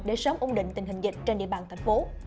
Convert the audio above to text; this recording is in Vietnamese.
để sớm ổn định tình hình dịch trên địa bàn thành phố